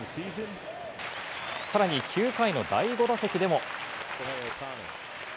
さらに９回の第５打席でも。